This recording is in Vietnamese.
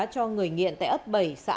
cho người nghiện tại ấp bảy xã an